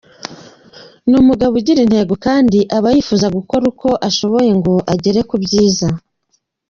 Ni umugabo ugira intego kandi aba yifuza gukora uko ashoboye ngo agere ku byiza.